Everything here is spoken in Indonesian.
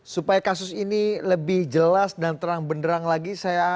supaya kasus ini lebih jelas dan terang benderang lagi